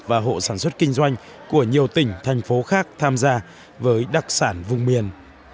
và hộ sản xuất kinh doanh của nhiều tỉnh thành phố khác tham gia với đặc sản vùng miền